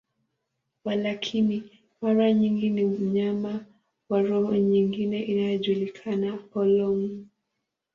Walakini, mara nyingi ni mnyama wa roho nyingine inayojulikana, polong.